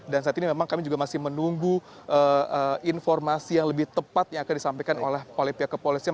dan saat ini memang kami juga masih menunggu informasi yang lebih tepat yang akan disampaikan oleh pihak kepolisian